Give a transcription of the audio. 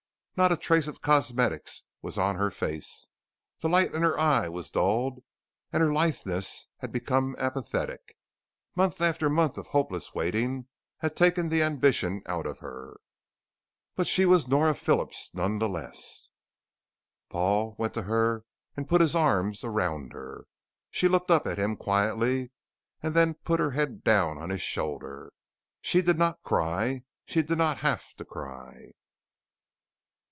Not a trace of cosmetic was on her face. The light in her eye was dulled, and her litheness had become apathetic. Month after month of hopeless waiting had taken the ambition out of her. But she was Nora Phillips nonetheless. Paul went to her and put his arms around her. She looked up at him quietly and then put her head down on his shoulder. She did not cry. She did not have to cry.